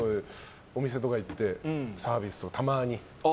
お店とか行ってサービスとか、たまに。